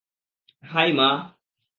High, মা।